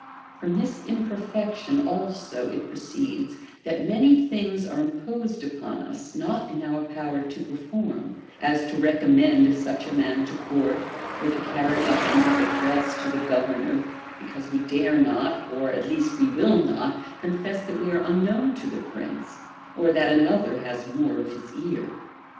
From this imperfection also it proceeds, that many things are imposed upon us not in our power to perform, as to recommend such a man to court, or to carry up an address to the governor, because we dare not, or at least we will not, confess that we are unknown to the prince or that another has more of his ear.